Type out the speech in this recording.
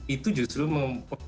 itu justru mempunyai